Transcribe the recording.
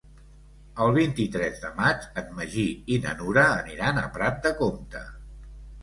El vint-i-tres de maig en Magí i na Nura aniran a Prat de Comte.